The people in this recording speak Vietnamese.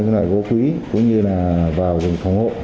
những loại gỗ quý cũng như là vào rừng phòng hộ